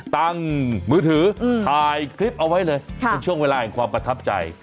ตังค์มือถืออืมถ่ายคลิปเอาไว้เลยค่ะช่วงเวลาอย่างความประทับใจ